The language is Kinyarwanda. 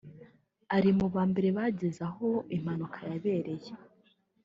ari mu ba mbere bageze aho impanuka yabereye